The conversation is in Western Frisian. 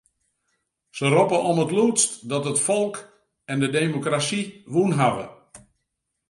Se roppe om it lûdst dat it folk en de demokrasy wûn hawwe.